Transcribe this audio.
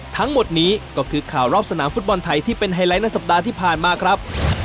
ทั้งหมดนี้ก็คือข่าวรอบสนามฟุตบอลไทยที่เป็นไฮไลท์ในสัปดาห์ที่ผ่านมาครับ